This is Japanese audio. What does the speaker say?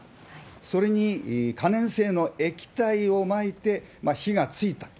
それに、可燃性の液体をまいて、火がついたと。